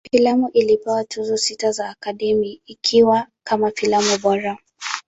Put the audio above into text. Filamu ilipewa Tuzo sita za Academy, ikiwa kama filamu bora.